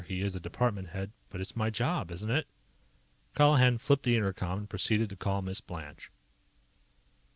He IS a department head. But it's my job, isn't it?_ Colihan flipped the inter com and proceeded to call Miss Blanche.